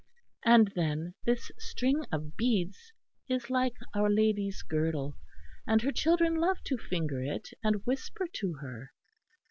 And then this string of beads is like Our Lady's girdle, and her children love to finger it, and whisper to her.